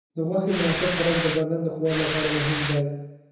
د غوښې مناسب خوراک د بدن د قوت لپاره مهم دی.